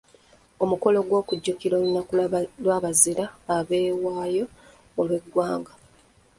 Omukolo gw’okujjukira olunaku lw’abazira abeewaayo olw’eggwanga.